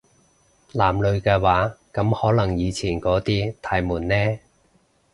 男女嘅話，噉可能以前嗰啲太悶呢